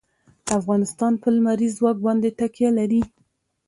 افغانستان په لمریز ځواک باندې تکیه لري.